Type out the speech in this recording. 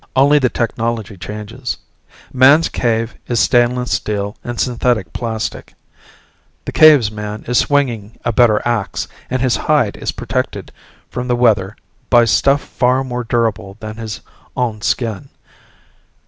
Only the technology changes. Man's cave is stainless steel and synthetic plastic; the cave's man is swinging a better axe, and his hide is protected from the weather by stuff far more durable than his awn skin.